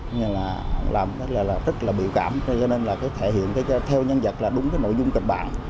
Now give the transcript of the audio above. nhưng là làm rất là biểu cảm cho nên là thể hiện theo nhân vật là đúng cái nội dung kịch bản